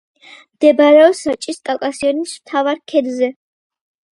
მდებარეობს რაჭის კავკასიონის მთავარ ქედზე.